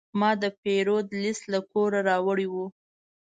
ما د پیرود لیست له کوره راوړی و.